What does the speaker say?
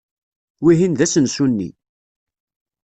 Wihin d asensu-nni.